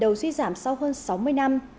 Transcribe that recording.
dân số xuy giảm sau hơn sáu mươi năm